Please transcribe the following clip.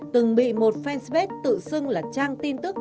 từng bị một fanpage tự xưng là trang tin tức